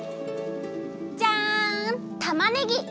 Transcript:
じゃんたまねぎ！